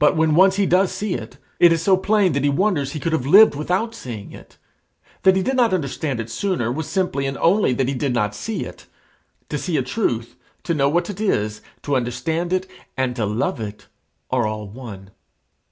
But when once he does see it, it is so plain that he wonders he could have lived without seeing it. That he did not understand it sooner was simply and only that he did not see it. To see a truth, to know what it is, to understand it, and to love it, are all one.